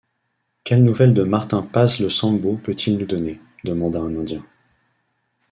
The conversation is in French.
Quelles nouvelles de Martin Paz le Sambo peut-il nous donner ? demanda un Indien.